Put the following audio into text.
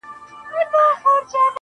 عجيب سړى يم له سهاره تر غرمې بيدار يم.